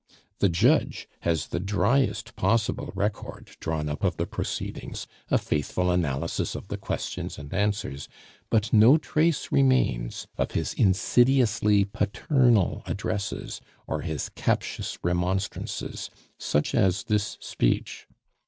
The judge has the driest possible record drawn up of the proceedings, a faithful analysis of the questions and answers; but no trace remains of his insidiously paternal addresses or his captious remonstrances, such as this speech.